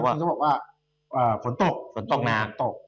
ก็คือจะบอกว่าฝนตก